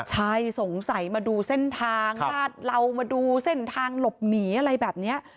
ใช่สงสัยมาดูเส้นทางลาดเหลามาดูเส้นทางหลบหนีอะไรแบบนี้